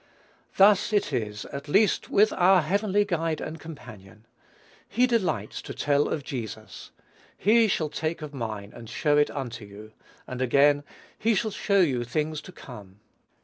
Thus it is, at least with our heavenly guide and companion. He delights to tell of Jesus, "He shall take of mine and show it unto you;" and again, "he shall show you things to come."